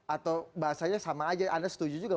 atau bahasanya sama aja anda setuju juga